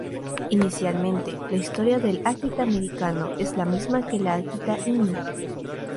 Inicialmente, la historia del Akita Americano es la misma que la del Akita Inu.